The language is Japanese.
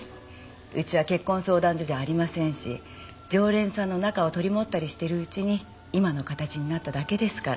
うちは結婚相談所じゃありませんし常連さんの仲を取り持ったりしているうちに今の形になっただけですから。